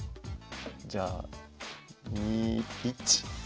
じゃあ２一金。